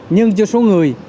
nhưng chưa số người